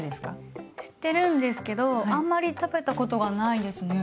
知ってるんですけどあんまり食べたことがないですね。